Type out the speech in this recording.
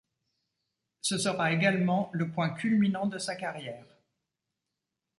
Ce sera également le point culminant de sa carrière.